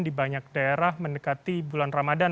di banyak daerah mendekati bulan ramadan